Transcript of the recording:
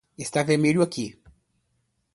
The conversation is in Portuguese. E este vermelho aqui?